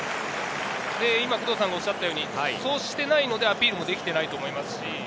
工藤さんがおっしゃったように、そうしていないのでアピールもできないと思います。